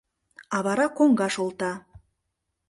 А вара коҥгаш олта...